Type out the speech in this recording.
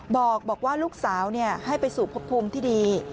บอกว่าลูกสาวให้ไปสู่พบภูมิที่ดี